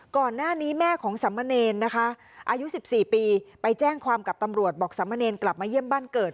ก่อนหน้านี้แม่ของสามเณรนะคะอายุ๑๔ปีไปแจ้งความกับตำรวจบอกสามเณรกลับมาเยี่ยมบ้านเกิด